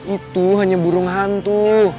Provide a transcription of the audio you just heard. itu hanya burung hantu